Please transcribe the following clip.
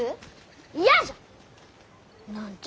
嫌じゃ！